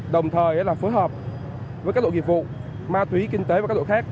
đồng thời phối hợp với các đội nghiệp vụ ma túy kinh tế và các đội khác